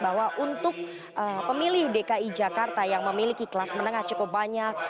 bahwa untuk pemilih dki jakarta yang memiliki kelas menengah cukup banyak